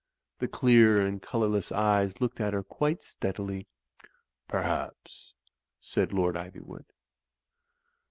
The clear and colourless eyes looked at her quite steadily. "Perhaps," said Lord Iv3rwood.